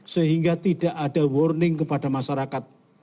sehingga tidak ada warning kepada masyarakat